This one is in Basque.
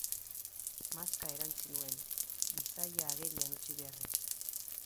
Maska erantzi nuen, bisaia agerian utzi beharrez.